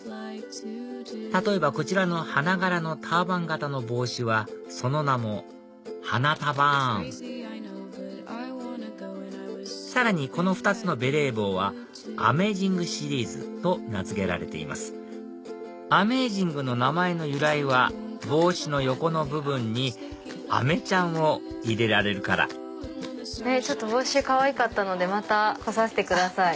例えばこちらの花柄のターバン形の帽子はその名も「花束ん」さらにこの２つのベレー帽は「飴ージング！」シリーズと名付けられています「飴ージング！」の名前の由来は帽子の横の部分に飴ちゃんを入れられるから帽子かわいかったのでまた来させてください。